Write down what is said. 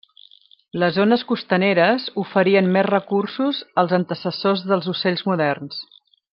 Les zones costaneres oferien més recursos als antecessors dels ocells moderns.